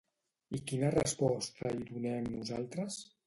I quina resposta hi donem nosaltres?